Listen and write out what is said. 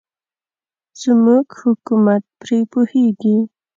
زموږ حکومت پرې پوهېږي.